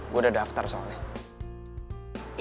gue udah daftar soalnya